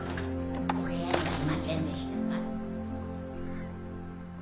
お部屋にはいませんでしたか？